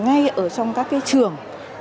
ngay ở trong các trường